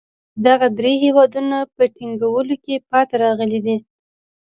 دغه درې هېوادونه په ټینګولو کې پاتې راغلي دي.